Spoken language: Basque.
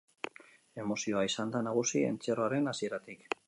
Emozioa izan da nagusi entzierroaren hasieratik.